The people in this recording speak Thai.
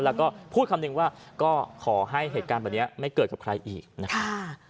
แล้วก็พูดคำนึงว่าก็ขอให้เหตุการณ์แบบนี้ไม่เกิดกับใครอีกนะครับ